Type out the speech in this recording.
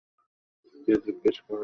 কে জিজ্ঞেস করছে?